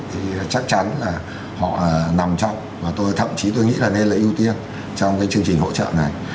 thì chắc chắn là họ nằm trong và tôi thậm chí tôi nghĩ là nên là ưu tiên trong cái chương trình hỗ trợ này